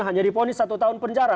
hanya diponis satu tahun penjara